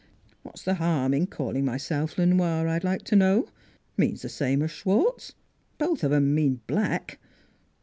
..." What's the harm in calling myself Le Noir, I'd like to know? Means the same as Schwartz. Both of 'em mean Black.